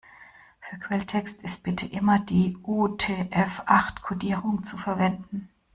Für Quelltext ist bitte immer die UTF-acht-Kodierung zu verwenden.